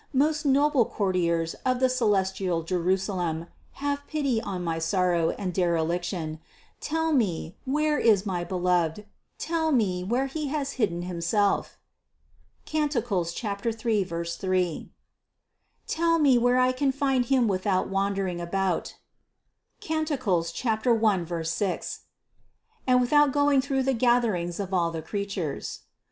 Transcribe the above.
Most noble courtiers of the celestial Jerusalem, have pity on my sorrow and dereliction : tell me where is my Beloved ; tell me where He has hidden Himself (Cant. 3, 3). Tell me where I can find Him without wandering about, (Cant. 1,6) and without going through the gather ings of all the creatures.